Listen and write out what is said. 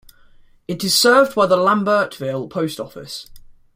It is served by the Lambertville Post Office.